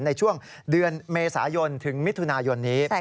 ในช่วงเดือนเมษายนถึงมิถุนายนนี้